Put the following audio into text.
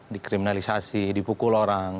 dikriminalisasi dipukul orang